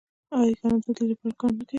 آیا کاناډا د دې لپاره کار نه کوي؟